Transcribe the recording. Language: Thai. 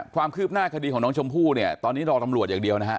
ความคืบหน้าคดีของน้องชมพู่เนี่ยตอนนี้รอตำรวจอย่างเดียวนะฮะ